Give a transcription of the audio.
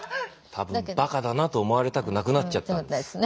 多分バカだなと思われたくなくなっちゃったんです。